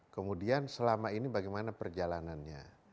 kemudian selama ini bagaimana perjalanannya